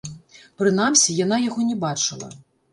Прынамсі, яна яго не бачыла.